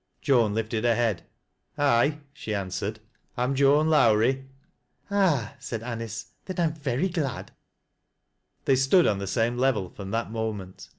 Joan lifted her head. " Aye," she answered, " I'm Joan Lowrie." " Ah," said Anice, " then I am very glad." They stood on the same level from that moment.